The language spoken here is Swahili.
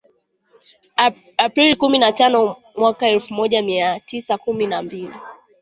Aprili kumi na tano mwaka elfu moja mia tisa kumi na mbili